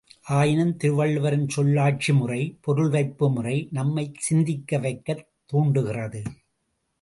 ஆயினும் திருவள்ளுவரின் சொல்லாட்சி முறை, பொருள் வைப்பு முறை நம்மைச் சிந்திக்க வைக்கத் துரண்டுகிறது.